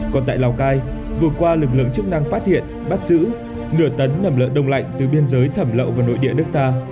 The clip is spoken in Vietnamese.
còn tại lào cai vừa qua lực lượng chức năng phát hiện bắt giữ nửa tấn nầm lợn đông lạnh từ biên giới thẩm lậu vào nội địa nước ta